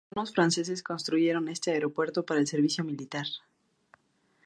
Los colonos franceses construyeron este aeropuerto para el servicio militar.